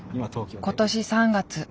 今年３月。